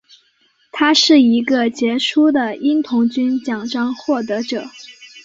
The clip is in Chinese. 他是一个杰出的鹰童军奖章获得者。